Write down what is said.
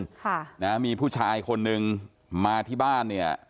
ค่ะนะมีผู้ชายคนนึงมาที่บ้านเนี่ย